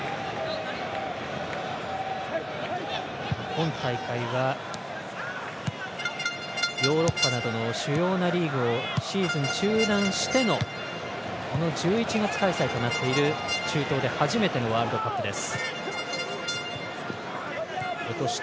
今大会はヨーロッパなどの主要なリーグをシーズン中断しての１１月開催となっている中東で初めてのワールドカップです。